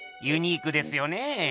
ユニークですよねぇ！